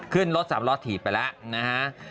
ขึ้นรถสามล้อถีบไปแล้วนะฮะ